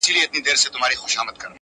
کرنه زموږ هویت دی.